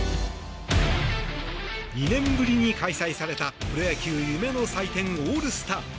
２年ぶりに開催されたプロ野球夢の祭典オールスター。